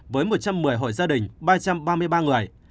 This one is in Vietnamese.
với một trăm một mươi hội gia đình ba trăm ba mươi ba người